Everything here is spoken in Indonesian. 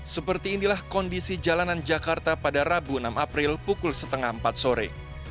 seperti inilah kondisi jalanan jakarta pada rabu enam april pukul setengah empat sore